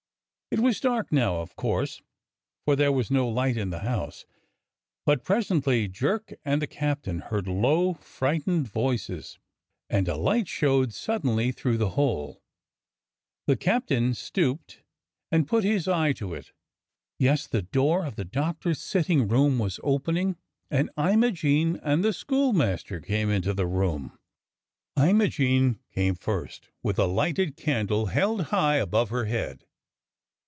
It was dark now, of course, for there was no light in the house, but presently Jerk and the captain heard low, frightened voices, and a light showed suddenly through the hole. The captain stooped and put his eye to it. Yes, the door of the Doctor's sitting room was opening, and Imogene and the schoolmaster came into the room. Imogene came first, with a lighted candle held high above her head.